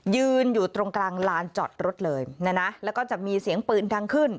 ยืนอยู่ตรงกลางลานจอดรถเลยนะแล้วก็จะมีเสียงปืนดังขึ้น